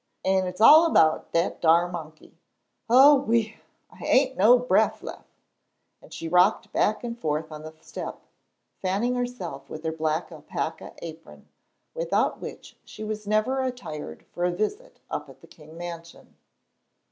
An' it's all about dat ar monkey. Oh, whee! I ain' no bref lef'," and she rocked back and forth on the step, fanning herself with her black alpaca apron, without which she was never attired for a visit up at the King mansion.